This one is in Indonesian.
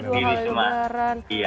dua kali lebaran